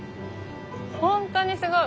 本当にすごい。